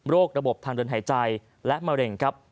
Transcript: ระบบทางเดินหายใจและมะเร็งครับ